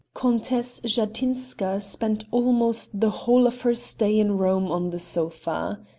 Countess Jatinska spent almost the whole of her stay in Rome on her sofa.